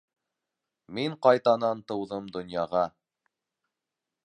Мин ҡайтанан тыуҙым донъяға...